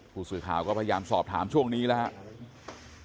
ผู้สื่อข่าวก็พยายามสอบถามช่วงนี้แล้วครับ